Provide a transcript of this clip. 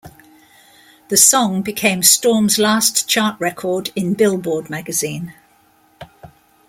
The song became Storm's last chart record in "Billboard Magazine".